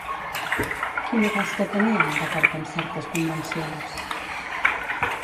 Quina tasca tenien, d'acord amb certes convencions?